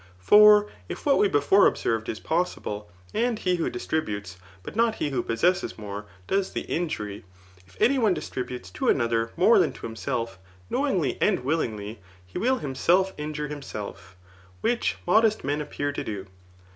For if what we before observed is possible, and ■he who distributes, but not he who possesses more, does the injury, if any one distributes to another more than to himself, knowingly and willingly, he will himself injure iiimself ; which modest men appear to do.